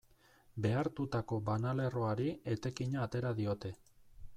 Behartutako banalerroari etekina atera diote.